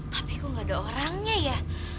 tapi kok gak ada orangnya ya